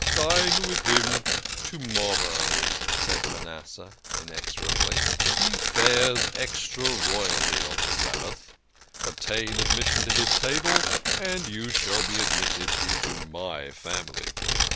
" Dine with him to morrow," said Manasseh inexorably. " He fares extra royally on the Sabbath. Obtain admission to his table, and you shall be admitted into my family."